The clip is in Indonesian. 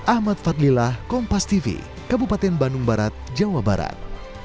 ahmad fadlilah kompas tv kabupaten bandung barat jawa barat